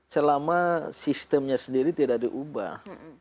selama sistemnya sendiri tidak diubah